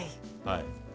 はい。